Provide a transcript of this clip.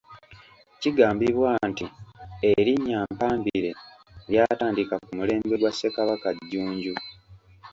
Kigambibwa nti erinnya 'Mpambire’ lyatandika ku mulembe gwa Ssekabaka Jjunju.